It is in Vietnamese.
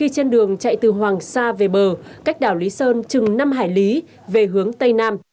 trên đường chạy từ hoàng sa về bờ cách đảo lý sơn chừng năm hải lý về hướng tây nam